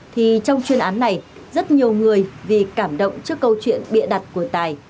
thì trong chuyên án này rất nhiều người vì cảm động trước câu chuyện bịa đặt của tài